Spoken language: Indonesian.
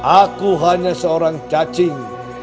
aku hanya seorang cacing